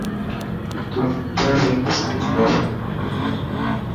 تو سمجهڻ ي ڪوشش ڪر.